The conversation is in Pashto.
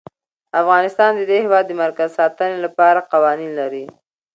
افغانستان د د هېواد مرکز د ساتنې لپاره قوانین لري.